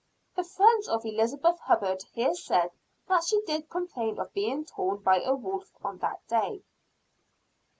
("The friends of Elizabeth Hubbard here said that she did complain of being torn by a wolf on that day.")